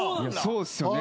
そうっすよね。